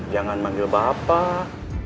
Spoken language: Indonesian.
jangan manggil bapak